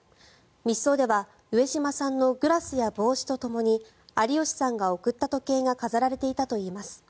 密葬では上島さんのグラスや帽子とともに有吉さんが贈った時計が飾られていたといいます。